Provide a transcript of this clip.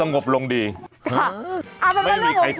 ก็สงบลงดีไม่มีใครแท้ไม่มีใครชนะ